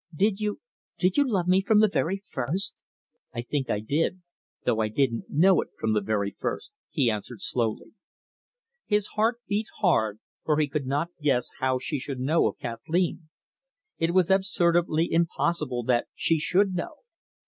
Did you did you love me from the very first?" "I think I did, though I didn't know it from the very first," he answered slowly. His heart beat hard, for he could not guess how she should know of Kathleen. It was absurdly impossible that she should know.